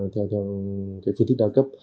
theo phương thức đa cấp